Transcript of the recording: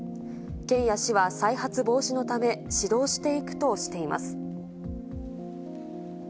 県や市は、再発防止のため、指導していくとしています。